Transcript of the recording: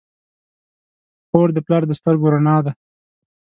خور د پلار د سترګو رڼا ده.